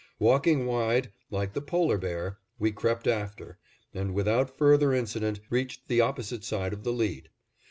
Walking wide, like the polar bear, we crept after, and without further incident reached the opposite side of the lead.